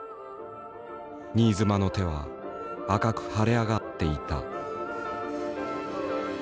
新妻の手は赤く腫れ上がっていた。